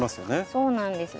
そうなんです。